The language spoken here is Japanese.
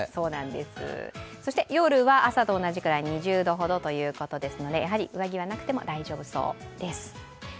そして、夜は朝と同じくらい２０度ほどということですのでやはり上着はなくても大丈夫そうです。